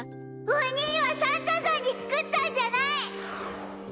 お兄はサンタさんに作ったんじゃない！